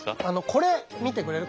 これ見てくれる？